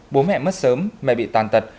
bố mẹ mất sớm mẹ bị tàn tật